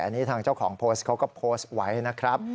อันนี้ทางเจ้าของโพสต์เขาก็โพสต์ไว้นะครับ